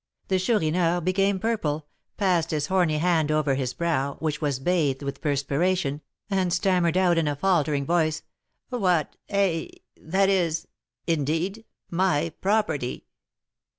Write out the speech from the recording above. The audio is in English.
The Chourineur became purple, passed his horny hand over his brow, which was bathed with perspiration, and stammered out, in a faltering voice: "What! eh! that is indeed my property!"